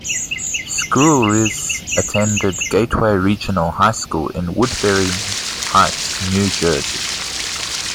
Squyres attended Gateway Regional High School in Woodbury Heights, New Jersey.